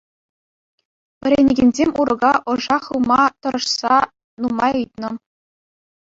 Вӗренекенсем урока ӑша хывма тӑрӑшса нумай ыйтнӑ.